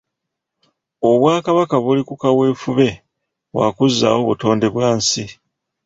Obwakabaka buli ku kaweefube wa kuzzaawo butonde bwa nsi.